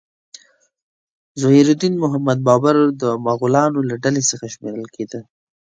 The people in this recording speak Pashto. ظهیر الدین محمد بابر د مغولانو له ډلې څخه شمیرل کېده.